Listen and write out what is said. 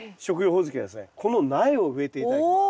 この苗を植えて頂きます。